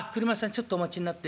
ちょっとお待ちになって。